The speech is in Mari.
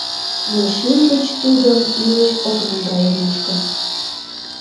Но шӱм гыч тудым илыш ок наҥгае мушкын.